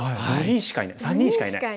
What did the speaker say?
今３人しかいない。